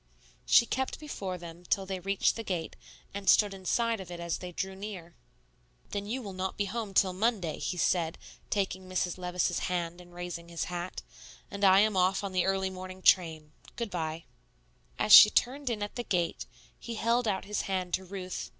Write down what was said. She kept before them till they reached the gate, and stood inside of it as they drew near. "Then you will not be home till Monday," he said, taking Mrs. Levice's hand and raising his hat; "and I am off on the early morning train. Good by." As she turned in at the gate, he held out his hand to Ruth.